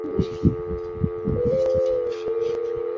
中华民国时期仍沿袭清代所置二十旗。